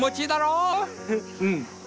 うん。